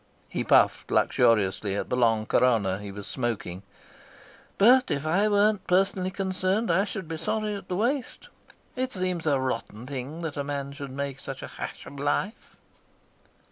He puffed luxuriously at the long Corona he was smoking. "But if I weren't personally concerned I should be sorry at the waste. It seems a rotten thing that a man should make such a hash of life."